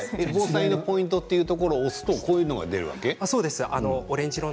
防災のポイントというところを押すとこういうのが出るわけ？